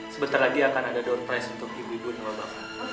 sebentar lagi akan ada doorprice untuk ibu ibu dan bapak bapak